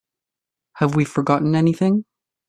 Have we forgotten anything?